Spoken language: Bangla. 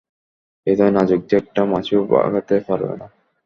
এতই নাজুক যে একটা মাছিও ভাগাতে পারবে না।